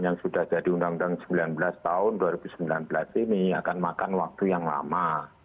yang sudah jadi undang undang sembilan belas tahun dua ribu sembilan belas ini akan makan waktu yang lama